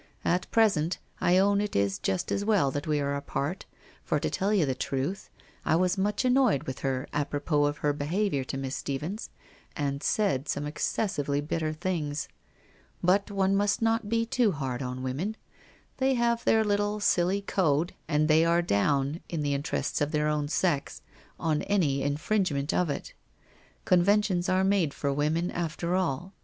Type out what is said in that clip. At present, I own it is just as well that we are apart, for to tell you the truth, I was much annoyed with her apropos of her behaviour to Miss Stephens, and said some excessively bitter things. But one must not be too hard on women. They have their little, silly code, and they are down, in the interests of their own sex, on any infringement of it. Conventions are made for women, after all.